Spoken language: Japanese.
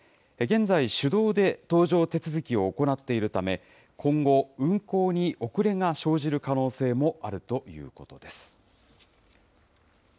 現在、手動で搭乗手続きを行っているため、今後、運航に遅れが生じる可能性もあるということです。